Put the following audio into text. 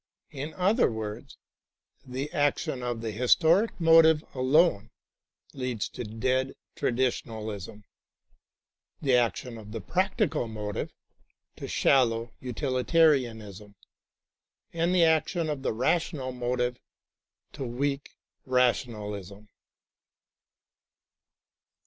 In other words, the action of the Historic Motive alone leads to dead traditionalism, the action of the Practical Motive to shallow utilitarianism, and the action of the Rational Motive to weak rationalism.